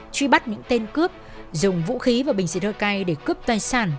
truy bắt những tên cướp dùng vũ khí và bình xịt hơi cay để cướp tài sản